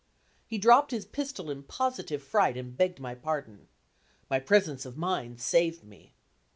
He dropped his pistol in positive fright and begged my pardon. My presence of mind saved me.